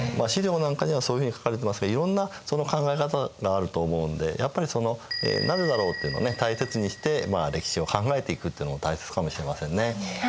史料なんかにはそういうふうに書かれてますがいろんなその考え方があると思うのでやっぱりその「なぜだろう？」っていうのを大切にして歴史を考えていくっていうのも大切かもしれませんね。